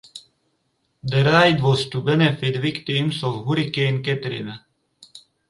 The ride was to benefit victims of Hurricane Katrina.